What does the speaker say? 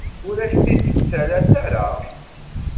Ur ak-t-id-tettales ara.